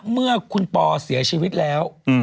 เมื่อคุณปอเสียชีวิตแล้ว